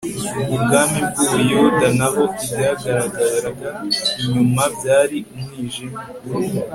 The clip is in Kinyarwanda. mu bwami bw'ubuyuda naho ibyagaragaraga inyuma byari umwijima